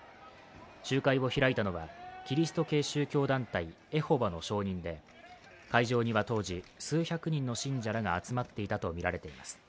集会を開いたのはキリスト系宗教団体エホバの証人で会場には当時、数百人の信者らが集まっていたとみられています。